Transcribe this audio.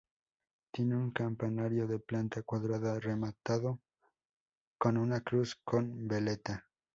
Tiene un campanario de planta cuadrada rematado con una cruz con veleta.